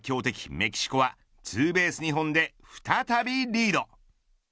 メキシコはツーベース２本で再びリード。